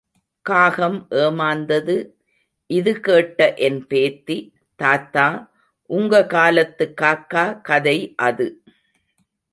காகம் ஏமாந்தது— இது கேட்ட என் பேத்தி— தாத்தா—உங்க காலத்து காக்கா கதை அது.